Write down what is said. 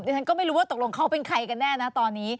ดิฉันก็ไม่รู้ว่าตกลงเข้าเป็นใครกันแน่ณ๕